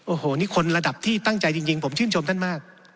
โอ้โหนี่คนระดับที่ตั้งใจจริงผมชื่นชมท่านมาก